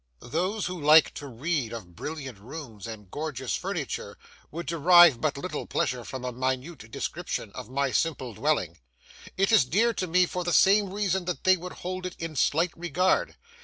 Those who like to read of brilliant rooms and gorgeous furniture would derive but little pleasure from a minute description of my simple dwelling. It is dear to me for the same reason that they would hold it in slight regard.